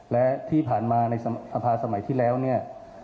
และที่ผ่านมาในสภาสมัยที่แล้วเนี่ย